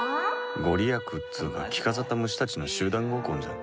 御利益っつうか着飾った虫たちの集団合コンじゃん。